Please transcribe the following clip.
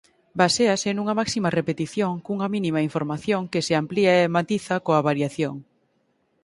Baséase nunha máxima repetición cunha mínima información que se amplía e matiza coa variación.